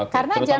karena jangan lupa